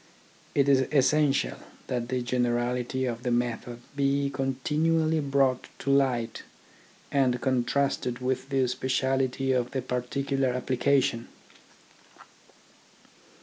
It is essential that the generality of the method be continually brought to light and contrasted with the speciality of the particular application.